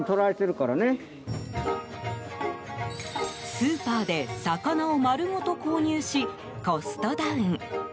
スーパーで魚を丸ごと購入しコストダウン。